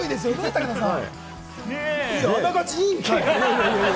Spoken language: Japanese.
武田さん。